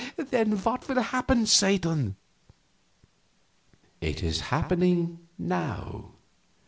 "Then what will happen, Satan?" "It is happening now.